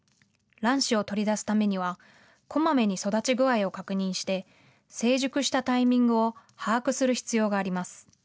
卵子を取り出すためにはこまめに育ち具合を確認して成熟したタイミングを把握する必要があります。